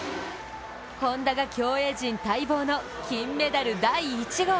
本多が競泳陣待望の金メダル第１号。